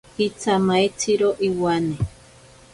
Itsamaitziro iwane.